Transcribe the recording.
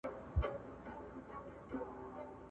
کندهار ته تللی وم